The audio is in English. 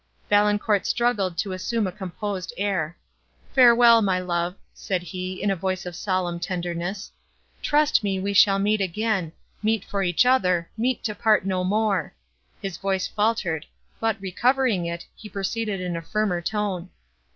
Valancourt struggled to assume a composed air. "Farewell, my love!" said he, in a voice of solemn tenderness—"trust me we shall meet again—meet for each other—meet to part no more!" His voice faltered, but, recovering it, he proceeded in a firmer tone.